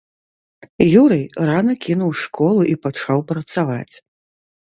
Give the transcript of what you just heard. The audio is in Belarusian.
Юрый рана кінуў школу і пачаў працаваць.